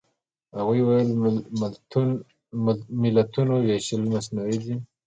هغوی ویل ملتونو وېشل مصنوعي دي.